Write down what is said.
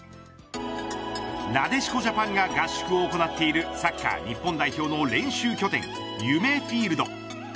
なでしこジャパンが合宿を行っているサッカー日本代表の練習拠点夢フィールド。